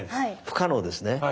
不可能です。